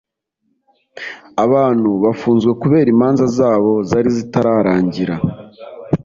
Abantu bafunzwe kubera imanza zabo zari zitararangira